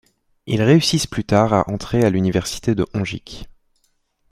Ils réussissent plus tard à entrer à l'Université de Hongik.